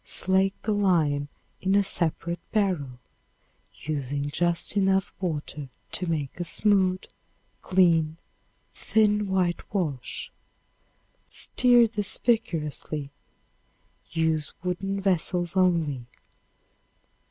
Slake the lime in a separate barrel, using just enough water to make a smooth, clean, thin whitewash. Stir this vigorously. Use wooden vessels only.